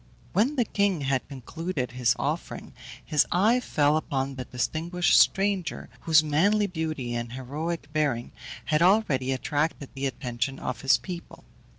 When the king had concluded his offering, his eye fell upon the distinguished stranger, whose manly beauty and heroic bearing had already attracted the attention of his people.